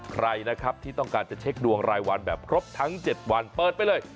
ใครนะครับที่ต้องการจะเช็คดวงรายวันแบบครบทั้ง๗วันเปิดไปเลย